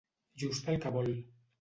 Just el que vol.